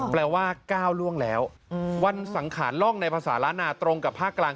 แปลว่าก้าวล่วงแล้ววันสังขารล่องในภาษาล้านนาตรงกับภาคกลาง